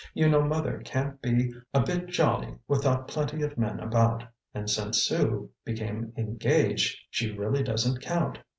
You know mother can't be a bit jolly without plenty of men about, and since Sue became engaged she really doesn't count.